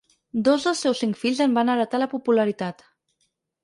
Dos dels seus cinc fills en van heretar la popularitat.